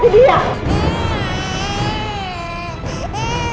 tak irritation dulu ma